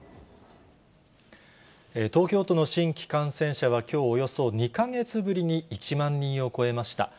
東京都の新規感染者はきょう、およそ２か月ぶりに１万人を超えました。